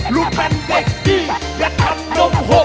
รูดเป็นเด็กดีอยากทำนมหก